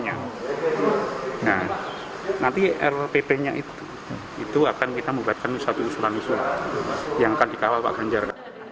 nah nanti rpp nya itu itu akan kita membuatkan satu usulan usulan yang akan dikawal pak ganjar